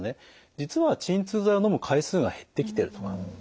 実は鎮痛剤をのむ回数が減ってきてるとか。